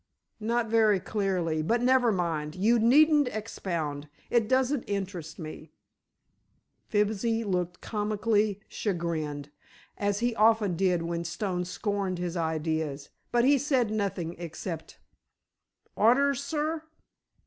"Not very clearly; but never mind, you needn't expound. It doesn't interest me." Fibsy looked comically chagrined, as he often did when Stone scorned his ideas, but he said nothing except: "Orders, sir?"